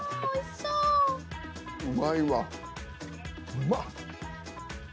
うまっ。